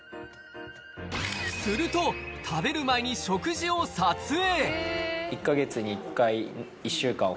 すると、食べる前に食事を撮影。